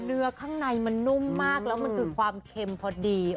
เนื้อข้างในมันนุ่มมากแล้วมันคือความเค็มพอดี